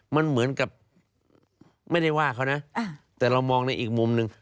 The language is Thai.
มันเหมือนกับไม่ได้ว่าเขานะแต่เรามองในอีกมุมหนึ่ง